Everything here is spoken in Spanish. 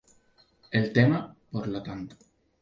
El tema, por lo tanto.